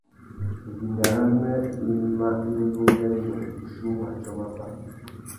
Idinga râmê i mà enda ungüêndô wuchiuwú matiō mábá.